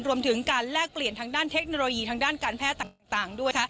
รวมถึงการแลกเปลี่ยนทางด้านเทคโนโลยีทางด้านการแพทย์ต่างด้วย